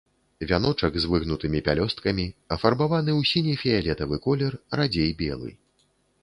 Вяночак з выгнутымі пялёсткамі, афарбаваны ў сіне-фіялетавы колер, радзей белы.